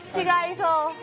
違いそう。